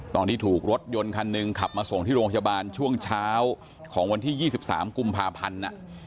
ตอนที่ถูกรถยนต์คันหนึ่งขับมาส่งที่โรงพยาบาลช่วงเช้าของวันที่๒๓กุมภาพันธ์